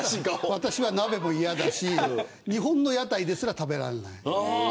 私は鍋も嫌だし日本の屋台ですら食べられない。